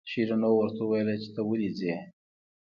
شیرینو ورته وویل چې ته ولې ځې.